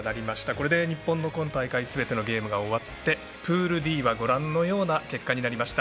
これで日本の今大会すべてのゲームが終わってプールＤはご覧のような結果になりました。